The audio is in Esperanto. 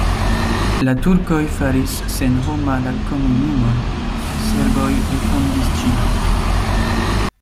La turkoj faris senhoma la komunumon, serboj refondis ĝin.